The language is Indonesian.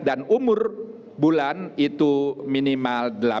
dan umur bulan itu minimal delapan jam